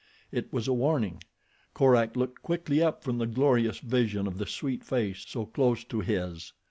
It was a warning. Korak looked quickly up from the glorious vision of the sweet face so close to his.